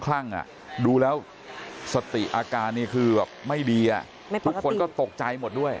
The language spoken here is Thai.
ดูแล้วสติอาการนี่คือแบบไม่ดีทุกคนก็ตกใจหมดด้วย